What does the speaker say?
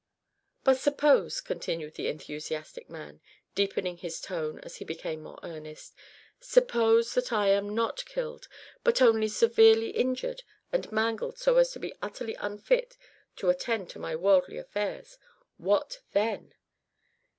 "But suppose," continued the enthusiastic man, deepening his tone as he became more earnest, "suppose that I am not killed, but only severely injured and mangled so as to be utterly unfit to attend to my worldly affairs what then?"